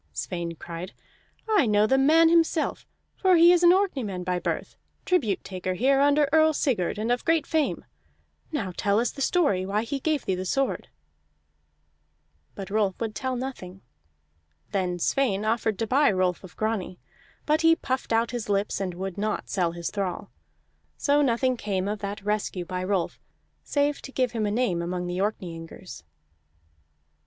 Sweyn cried: "I know the man himself, for he is an Orkneyman by birth, tribute taker here under Earl Sigurd, and of great fame. Now tell us the story why he gave thee the sword." But Rolf would tell nothing. Then Sweyn offered to buy Rolf of Grani, but he puffed out his lips and would not sell his thrall. So nothing came of that rescue by Rolf, save to give him a name among the Orkneyingers.